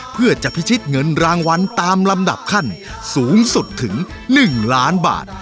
เพื่อจะพิชิตเงินรางวัลตามลำดับขั้นสูงสุดถึง๑ล้านบาท